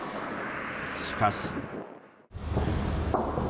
しかし。